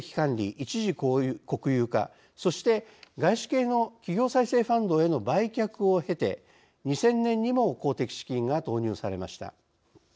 一時国有化そして、外資系の企業再生ファンドへの売却を経て２０００年にも公的資金が投入されました。